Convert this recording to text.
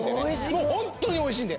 もうホントにおいしいんで。